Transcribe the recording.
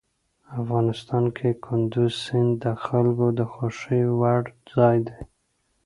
افغانستان کې کندز سیند د خلکو د خوښې وړ ځای دی.